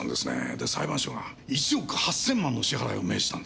で裁判所が１億８０００万の支払いを命じたんです。